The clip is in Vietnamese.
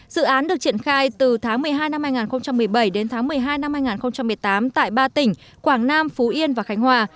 dự án được triển khai từ tháng một mươi hai năm hai nghìn một mươi bảy đến tháng một mươi hai năm hai nghìn một mươi tám tại ba tỉnh quảng nam phú yên và khánh hòa